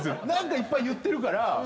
何かいっぱい言ってるから。